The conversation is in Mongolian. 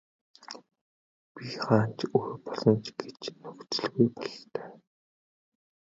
Бие хаа нь өөр болсон ч гэж нөхцөлгүй бололтой.